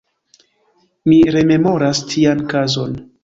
Mi rememoras tian kazon.